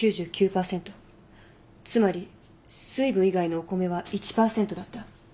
つまり水分以外のお米は１％だった。